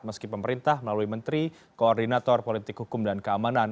meski pemerintah melalui menteri koordinator politik hukum dan keamanan